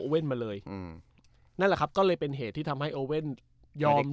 เว่นมาเลยอืมนั่นแหละครับก็เลยเป็นเหตุที่ทำให้โอเว่นยอม